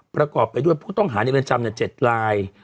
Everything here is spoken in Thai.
ประกอบไปด้วยผู้ต้องหาในเรือนจำ๗ราย